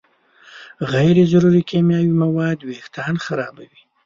غیر ضروري کیمیاوي مواد وېښتيان خرابوي.